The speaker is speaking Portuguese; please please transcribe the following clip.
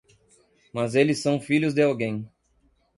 Mas eles são filhos de alguém.